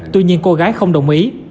tuy nhiên cô gái không đồng ý